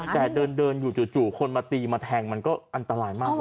แต่เดินอยู่จู่คนมาตีมาแทงมันก็อันตรายมากเลย